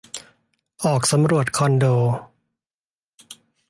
ออกสำรวจคอนโด